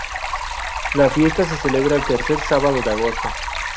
La fiesta se celebra el tercer sábado de agosto.